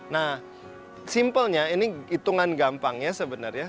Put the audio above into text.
nah simpelnya ini hitungan gampangnya sebenarnya